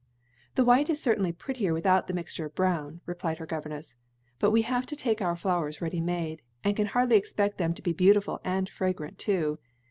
"The white is certainly prettier without the mixture of brown," replied her governess, "but we have to take our flowers ready made, and can hardly expect them to be beautiful and fragrant too.